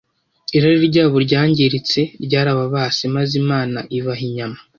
Irari ryabo ryangiritse ryarababase maze Imana ibaha inyama